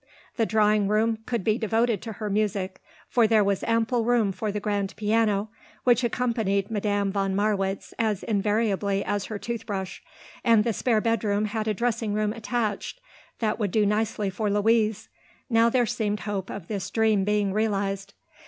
The drawing room could be devoted to her music; for there was ample room for the grand piano which accompanied Madame von Marwitz as invariably as her tooth brush; and the spare bedroom had a dressing room attached that would do nicely for Louise. Now there seemed hope of this dream being realised.